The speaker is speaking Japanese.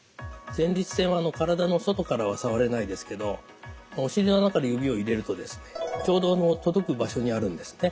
前立腺は体の外からは触れないですけどお尻の穴から指を入れるとですねちょうど届く場所にあるんですね。